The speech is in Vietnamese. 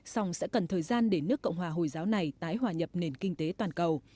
song sẽ cần thời gian để nước cộng hòa hồi giáo này tái hòa nhập nền kinh tế toàn cầu